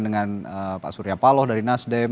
dengan pak surya paloh dari nasdem